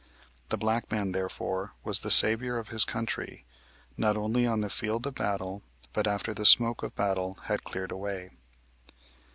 The black man, therefore, was the savior of his country, not only on the field of battle, but after the smoke of battle had cleared away.